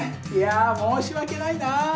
いや申し訳ないな。